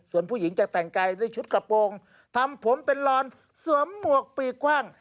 ส่วนผู้หญิงจะแต่งกายด้วยชุดกระโปรงทำผมเป็นรอนสวมหมวกปีกกว้าง